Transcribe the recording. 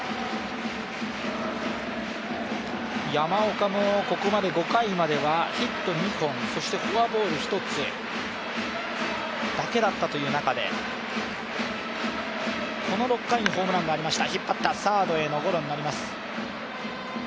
山岡もここまで５回まではヒット２本、そしてフォアボール１つだけだったという中でこの６回のホームランがありました